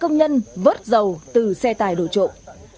công nhân vớt dầu từ xe tải đổ trộm